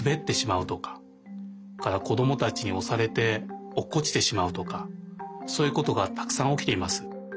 それからこどもたちにおされておっこちてしまうとかそういうことがたくさんおきています。